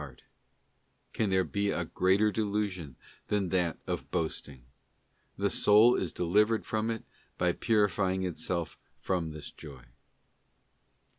't Can there be a greater delusion than that of boasting? The soul is delivered from it by purifying itself from this joy.